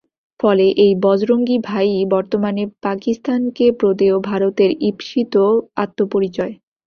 ফলে এই বজরঙ্গি ভাই ই বর্তমানের পাকিস্তানকে প্রদেয় ভারতের ঈপ্সিত আত্মপরিচয়।